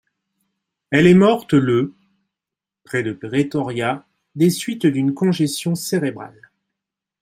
Elle est morte le près de Pretoria, des suites d'une congestion cérébrale.